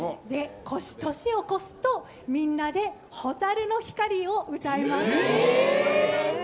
年を越すとみんなで「蛍の光」を歌います。